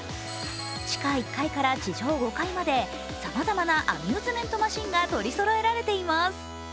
地下１階から地上５階までさまざまなアミューズメントマシンが取りそろえられています。